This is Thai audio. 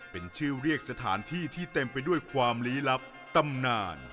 เป็นชื่อเรียกสถานที่ที่เต็มไปด้วยความลี้ลับตำนาน